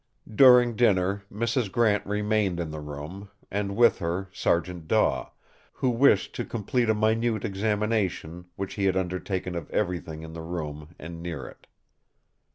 During dinner Mrs. Grant remained in the room, and with her Sergeant Daw, who wished to complete a minute examination which he had undertaken of everything in the room and near it.